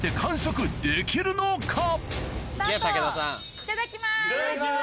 ・いただきます。